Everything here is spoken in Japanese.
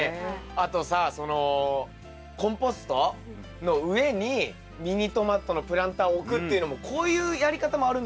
あとさそのコンポストの上にミニトマトのプランターを置くっていうのもこういうやり方もあるんだなっていうね。